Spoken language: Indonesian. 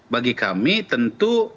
bagi kami tentu